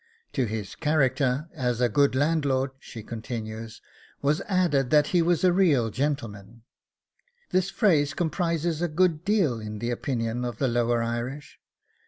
'To his character as a good landlord,' she continues, 'was added that he was a real gentleman; this phrase comprises a good deal in the opinion of the lower Irish.